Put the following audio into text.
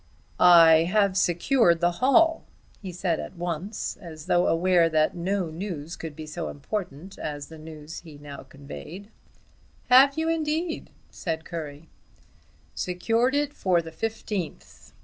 "I have secured the hall," he said at once, as though aware that no news could be so important as the news he thus conveyed. "Have you indeed?" said Currie. "Secured it for the fifteenth.